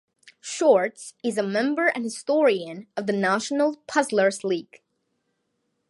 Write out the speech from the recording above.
Shortz is a member and historian of the National Puzzlers' League.